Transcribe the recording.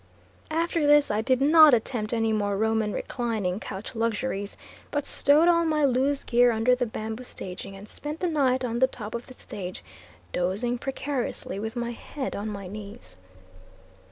After this I did not attempt any more Roman reclining couch luxuries, but stowed all my loose gear under the bamboo staging, and spent the night on the top of the stage, dozing precariously with my head on my knees.